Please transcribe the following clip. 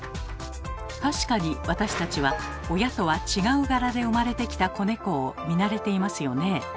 確かに私たちは親とは違う柄で生まれてきた子猫を見慣れていますよね。